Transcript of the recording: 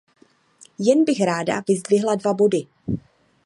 Jen bych ráda vyzdvihla dva body.